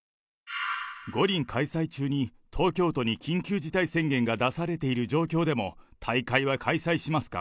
五輪開催中に、東京都に緊急事態宣言が出されている状況でも、大会は開催します